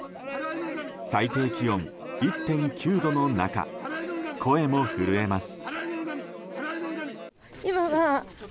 最低気温１．９度の中声も震えます。